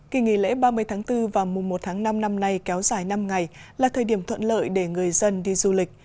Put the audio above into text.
kỳ nghỉ lễ ba mươi tháng bốn và mùa một tháng năm năm nay kéo dài năm ngày là thời điểm thuận lợi để người dân đi du lịch